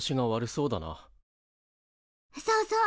そうそう。